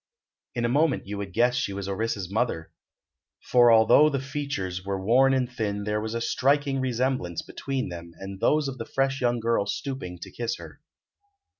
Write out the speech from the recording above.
In a moment you would guess she was Orissa's mother, for although the features were worn and thin there was a striking resemblance between them and those of the fresh young girl stooping to kiss her.